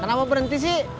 kenapa berhenti si